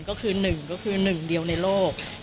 ก็คือ๑ก็คือ๑เดียวในโลก